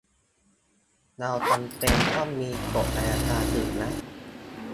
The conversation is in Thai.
เราจำเป็นต้องมีกฎอัยการศึกนะ